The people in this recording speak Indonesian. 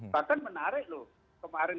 bahkan menarik loh kemarin